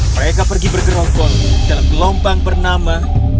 mereka pergi bergerongkol dalam gelombang bernama